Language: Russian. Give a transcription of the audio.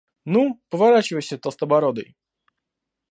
Ну, поворачивайся, толстобородый!